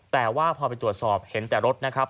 แต่ว่าพอไปตรวจสอบเห็นแต่รถนะครับ